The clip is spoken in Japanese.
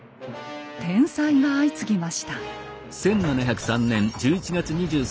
天災が相次ぎました。